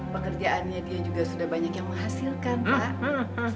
pekerjaannya dia juga sudah banyak yang menghasilkan pak